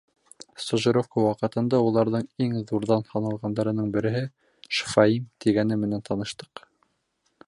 Стажировка ваҡытында уларҙың иң ҙурҙан һаналғандарының береһе — Шфаим тигәне менән таныштыҡ.